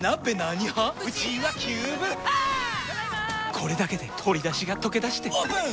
これだけで鶏だしがとけだしてオープン！